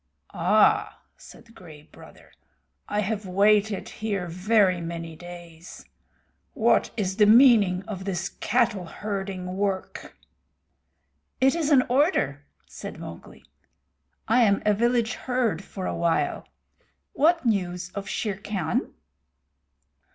"Ah," said Gray Brother, "I have waited here very many days. What is the meaning of this cattle herding work?" "It is an order," said Mowgli. "I am a village herd for a while. What news of Shere Khan?"